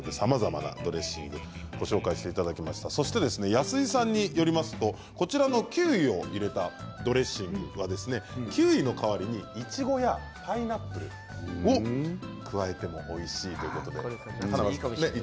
安井さんによりますとこちらのキウイを入れたドレッシングはキウイの代わりにいちごやパイナップルを加えてもおいしいということです。